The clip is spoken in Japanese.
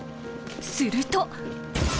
［すると］